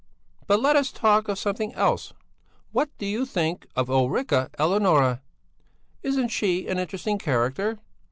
But let us talk of something else! What do you think of Ulrica Eleonora? Isn't she an interesting character?